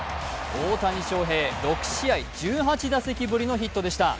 大谷翔平、６試合１８打席ぶりのヒットでした。